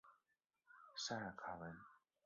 萨卡文。